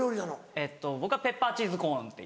えっと僕はペッパーチーズコーンって。